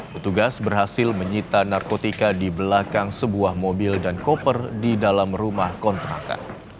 petugas berhasil menyita narkotika di belakang sebuah mobil dan koper di dalam rumah kontrakan